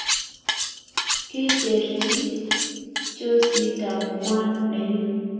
Kicherchi chosit ab kwan nenyi